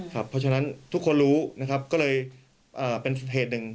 เพราะฉะนั้นทุกคนรู้นะครับก็เลยเป็นเหตุหนึ่ง